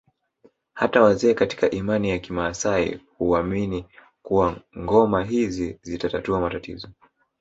Hata wazee katika imani za kimaasai huamini kuwa ngoma hizi zitatatua matatizo